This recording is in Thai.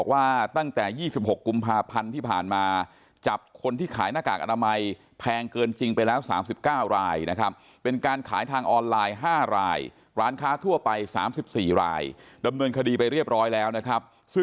วันนี้คลมมเขาจัดสรรแล้วว่า